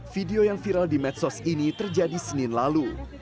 video yang viral di medsos ini terjadi senin lalu